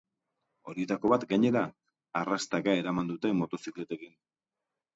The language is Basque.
Horietako bat, gainera, arrastaka eraman dute motozikletekin.